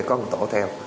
có một tổ theo